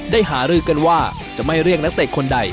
หารือกันว่าจะไม่เรียกนักเตะคนใด